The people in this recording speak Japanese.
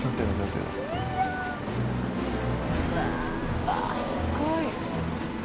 うわあすごい。